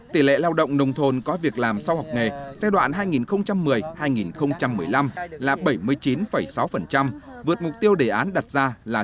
tỷ lệ lao động nông thôn có việc làm sau học nghề giai đoạn hai nghìn một mươi hai nghìn một mươi năm là bảy mươi chín sáu vượt mục tiêu đề án đặt ra là sáu mươi